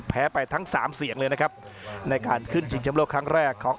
ไปทั้งสามเสียงเลยนะครับในการขึ้นชิงชำโลกครั้งแรกของ